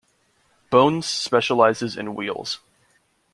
Bones specializes in wheels.